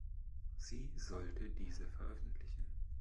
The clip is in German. Sie sollte diese veröffentlichen.